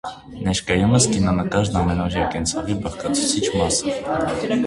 Ներկայումս կինոնկարն ամենօրյա կենցաղի բաղկացուցիչ մաս է։